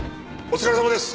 お疲れさまです。